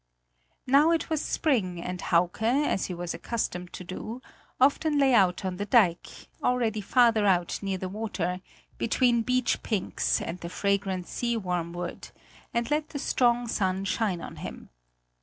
Now it was spring and Hauke, as he was accustomed to do, often lay out on the dike, already farther out near the water, between beach pinks and the fragrant sea wormwood, and let the strong sun shine on him.